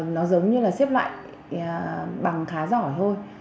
nó giống như là xếp loại bằng khá giỏi thôi